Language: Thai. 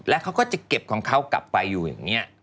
แล้วเขาก็จะเก็บของเขากลับไปอยู่อย่างนี้